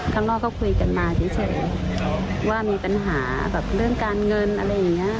ข้างนอกก็คุยกันมาเฉยว่ามีปัญหาแบบเรื่องการเงินอะไรอย่างนี้